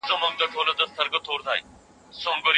همکاري د ژوند رنګ دی.